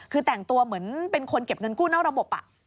คือแต่งตัวเหมือนเป็นคนเก็บเงินกู้นอกระบบ